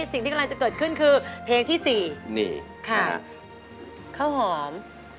สิ่งที่กำลังจะเกิดขึ้นคือเพลงที่๔นี่ค่ะข้าวหอม